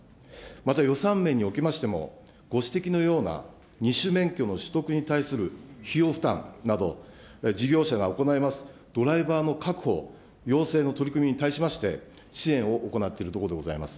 また予算面におきましても、ご指摘のような２種免許の取得にかかる費用負担など、事業者が行いますドライバーの確保、ようせいの取り組みに対しまして、支援を行っているところでございます。